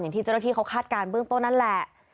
ที่เจ้าหน้าที่เขาคาดการณ์เบื้องต้นนั่นแหละ